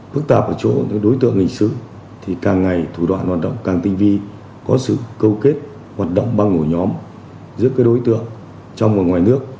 phức tạp ở chỗ đối tượng hình sứ thì càng ngày thủ đoạn hoạt động càng tinh vi có sự câu kết hoạt động băng ổ nhóm giữa các đối tượng trong và ngoài nước